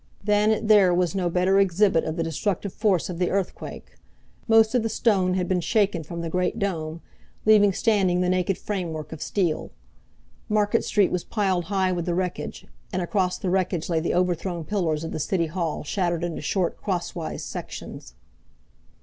Than it there was no better exhibit of the destructive force of the earthquake. Most of the stone had been shaken from the great dome, leaving standing the naked framework of steel. Market Street was piled high with the wreckage, and across the wreckage lay the overthrown pillars of the City Hall shattered into short crosswise sections.